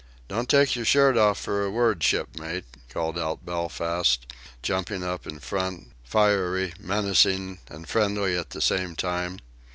"Don't take your shirt off for a word, shipmate," called out Belfast, jumping up in front, fiery, menacing, and friendly at the same time.